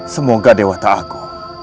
semoga dewa tak aku